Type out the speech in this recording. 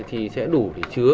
thì sẽ đủ để chứa